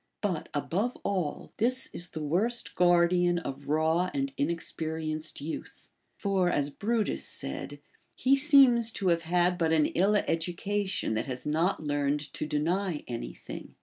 But, above all, this is the worst guardian of raw and inex perienced youth. For, as Brutus said, he seems to have had but an ill education that has not learned to deny any thing.